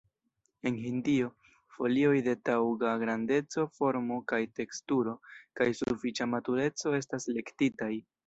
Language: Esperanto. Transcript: En Hindio, folioj de taŭga grandeco, formo kaj teksturo, kaj sufiĉa matureco estas elektitaj.